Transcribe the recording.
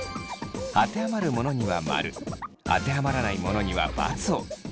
あてはまるものには○あてはまらないものには×を。